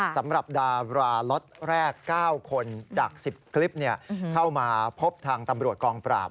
สำหรับดาราล็อตแรก๙คนจาก๑๐คลิปเข้ามาพบทางตำรวจกองปราบ